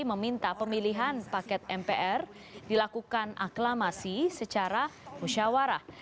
meminta pemilihan paket mpr dilakukan aklamasi secara musyawarah